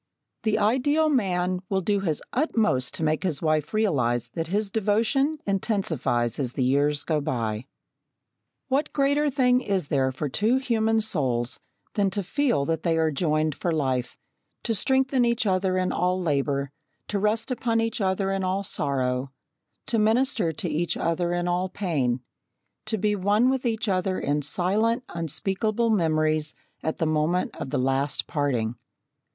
The ideal man will do his utmost to make his wife realise that his devotion intensifies as the years go by. What greater thing is there for two human souls than to feel that they are joined for life to strengthen each other in all labour, to rest upon each other in all sorrow, to minister to each other in all pain, to be one with each other in silent unspeakable memories at the moment of the last parting?